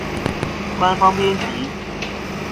官方編輯